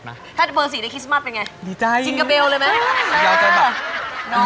หมวกปีกดีกว่าหมวกปีกดีกว่า